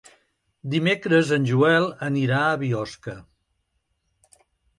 Dimecres en Joel anirà a Biosca.